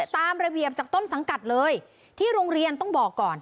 ตามระเบียบจากต้นสังกัดเลยที่โรงเรียนต้องบอกก่อน